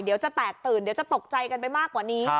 เดี๋ยวจะแตกตื่นเดี๋ยวจะตกใจกันไปมากกว่านี้